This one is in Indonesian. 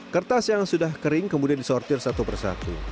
kertas yang sudah kering kemudian disortir satu persatu